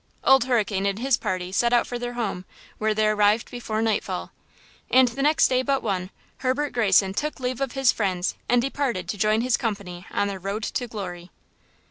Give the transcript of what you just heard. Old Hurricane and his party set out for their home, where they arrived before nightfall. And the next day but one Herbert Greyson took leave of his friends and departed to join his company on their road to glory.